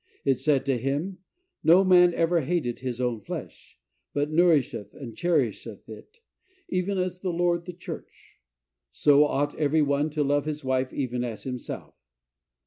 It said to him, "No man ever yet hated his own flesh, but nourisheth and cherisheth it, even as the Lord the church;" "so ought every one to love his wife, even as himself."